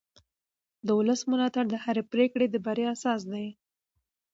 د ولس ملاتړ د هرې پرېکړې د بریا اساس دی